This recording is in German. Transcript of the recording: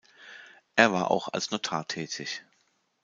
Er war auch als Notar tätig.